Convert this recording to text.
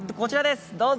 どうぞ。